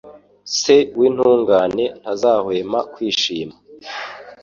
Se w’intungane ntazahwema kwishima